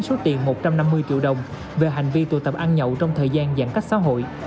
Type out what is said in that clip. số tiền một trăm năm mươi triệu đồng về hành vi tụ tập ăn nhậu trong thời gian giãn cách xã hội